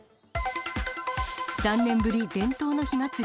３年ぶり、伝統の火祭り。